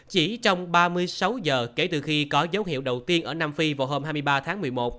chỉ trong ba mươi sáu giờ kể từ khi có dấu hiệu đầu tiên ở nam phi vào hôm hai mươi ba tháng một mươi một